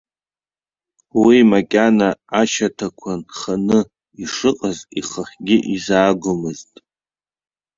Уи макьана ашьаҭақәа нханы ишыҟаз ихахьгьы изаагомызт.